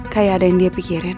kayak ada yang dia pikirin